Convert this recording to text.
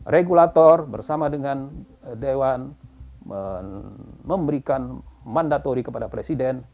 regulator bersama dengan dewan memberikan mandatori kepada presiden